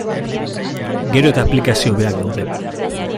Gero eta aplikazio hobeak daude.